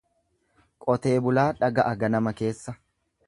Qotee bulaa dhaga'a ganama keessa.